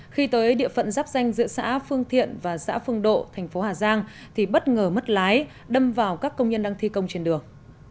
khi tới địa phận giáp danh giữa xã phương thiện và xã phương độ thành phố hà giang thì bất ngờ mất lái đâm vào các công nhân đang thi công trên đường